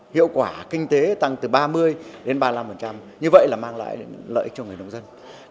hiệu quả kinh tế tăng từ ba mươi đến ba mươi năm như vậy là mang lại lợi cho người nông dân